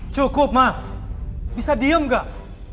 cukup mah bisa diem gak